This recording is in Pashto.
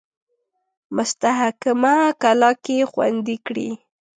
مستحکمه کلا کې خوندې کړي.